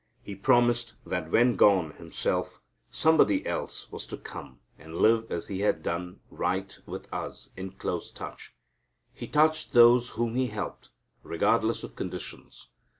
He promised that when gone Himself, Somebody else was to come, and live as He had done right with us in close touch. He touched those whom He helped, regardless of conditions.